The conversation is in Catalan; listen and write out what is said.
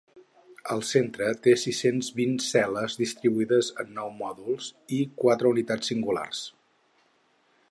El centre té sis-cents vint cel·les distribuïdes en nou mòduls i quatre unitats singulars.